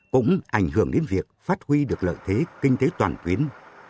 cũng ảnh hưởng đến việc phát huy được lợi thế kinh tế toàn tuyến